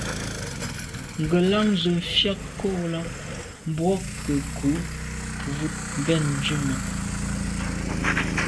Ngelan ze mfùag ko là mbwôg nke ngù wut ben ndume.